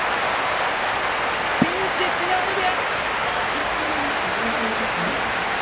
ピンチしのいだ！